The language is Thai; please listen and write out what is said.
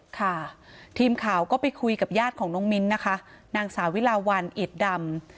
ค่ะทีมข่าวก็ไปคุยกับญาติของน้องมิ้นนะคะนางสาวิลาวันอิดดำ